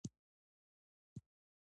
جبار کاکا له ما څخه نامکنه غوښتنه لري.